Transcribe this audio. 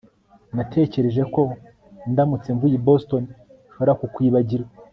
Natekereje ko ndamutse mvuye i Boston nshobora kukwibagirwa